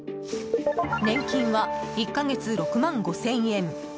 年金は１か月、６万５０００円。